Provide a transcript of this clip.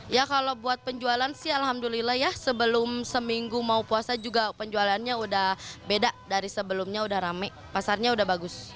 ya kalau buat penjualan sih alhamdulillah ya sebelum seminggu mau puasa juga penjualannya udah beda dari sebelumnya udah rame pasarnya udah bagus